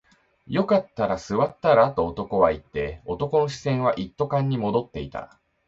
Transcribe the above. よかったら座ったらと男は言って、男の視線は一斗缶に戻っていた